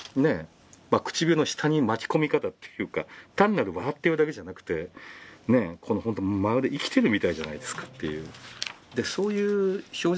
唇の下に巻き込み方っていうか単なる笑ってるだけじゃなくてまるで生きてるみたいじゃないですかっていう。